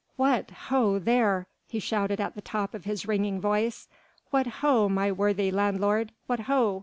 What ho there!" he shouted at the top of his ringing voice, "what ho my worthy landlord! What ho!"